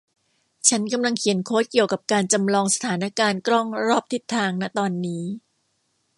ฉันกำลังเขียนโค้ดเกี่ยวกับการจำลองสถานการณ์กล้องรอบทิศทาง ณ ตอนนี้